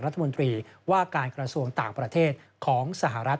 รัฐมนตรีว่าการกระทรวงต่างประเทศของสหรัฐ